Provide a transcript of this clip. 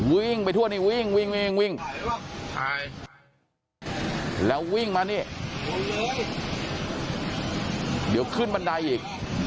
วิ่งไปทั่วนี่วิ่งวิ่งวิ่งถ่ายแล้ววิ่งมานี่เดี๋ยวขึ้นบันไดอีก